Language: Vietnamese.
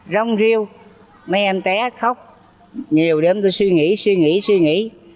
rông rêu mấy em té khóc nhiều đêm tôi suy nghĩ suy nghĩ suy nghĩ